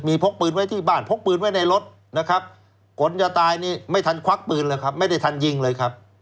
มีพกปืนไว้ที่บ้านพกปืนไว้ในรถนะครับคนจะตายนี่ไม่ทันควักปืนเลยครับไม่ได้ทันยิงเลยครับ